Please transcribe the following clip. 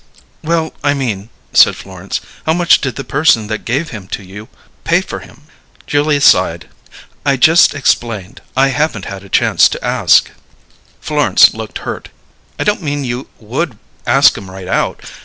"Well, I mean," said Florence, "how much did the person that gave him to you pay for him?" Julia sighed. "I just explained, I haven't had a chance to ask." Florence looked hurt. "I don't mean you would ask 'em right out.